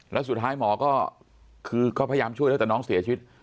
แล้วสุดท้ายหมอก็พยายามช่วยแต่น้องเสียชีวิต